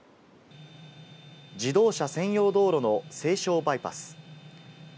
自動車専用道路の西湘バイパス。